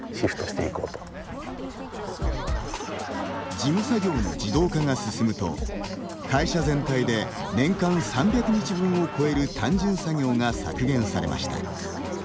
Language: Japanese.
事務作業の自動化が進むと会社全体で、年間３００日分を超える単純作業が削減されました。